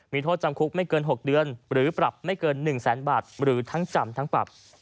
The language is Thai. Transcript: มีโทษจำคุกไม่เกิน๖เดือนหรือปรับไม่เกิน๑แสนบาทหรือทั้งจำทั้งปรับ